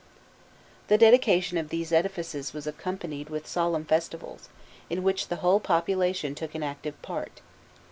The dedication of these edifices was accompanied with solemn festivals, in which the whole population took an active part.